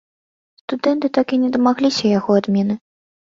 Студэнты так і не дамагліся яго адмены.